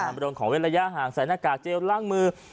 ประโดยนของเวลาย่างห่างใส่หน้ากากเจลล่างมือ